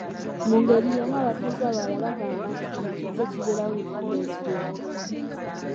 Mu ngeri y'emu abatuuze abalala bagamba nti kino kizze kibeerawo enfunda eziwera.